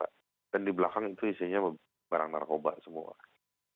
ada dari institusi bnn dari polri dari becukai